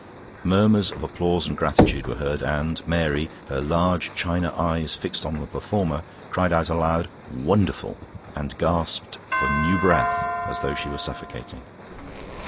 Murmurs of applause and gratitude were heard, and Mary, her large china eyes fixed on the performer, cried out aloud, "Wonderful!" and gasped for new breath as though she were suffocating.